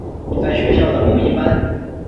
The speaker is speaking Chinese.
在学校的某一班。